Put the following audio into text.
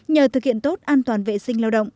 nhờ thực hiện tốt an toàn vệ sinh lao động